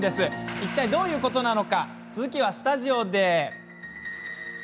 いったいどういうことなのか続きはスタジオで。